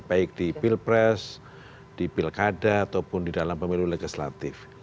baik di pilpres di pilkada ataupun di dalam pemilu legislatif